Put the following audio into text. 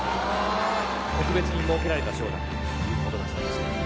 特別に設けられた賞だということだそうですけれど。